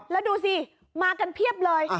แล้วดูสิมากันเพียบเลย